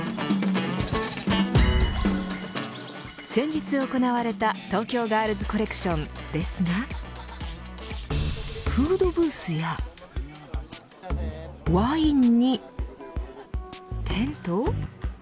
先日行われた東京ガールズコレクションですがフードブースやワインにテント。